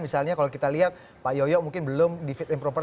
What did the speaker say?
misalnya kalau kita lihat pak yoyo mungkin belum di fit and proper